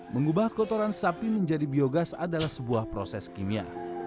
mengubah kotoran sapi menjadi biogas adalah sebuah proses kimia